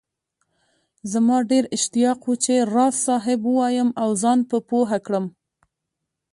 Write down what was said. زما ډېر اشتياق وو چي راز صاحب ووايم او زان په پوهه کړم